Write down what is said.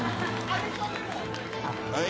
はい。